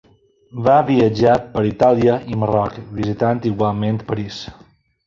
Va viatjar per Itàlia i Marroc, visitant igualment París.